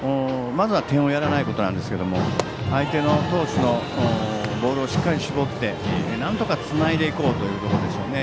まずは点をやらないことなんですけど相手の投手のボールをしっかり絞ってなんとかつないでいこうというところでしょうね。